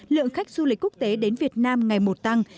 lượng khách du lịch quốc tế đến việt nam ngày một tăng